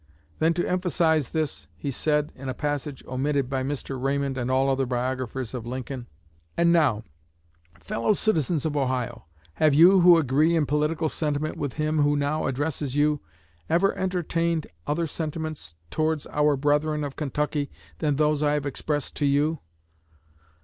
Then, to emphasize this, he said in a passage omitted by Mr. Raymond and all other biographers of Lincoln And now, fellow citizens of Ohio, have you who agree in political sentiment with him who now addresses you ever entertained other sentiments towards our brethren of Kentucky than those I have expressed to you?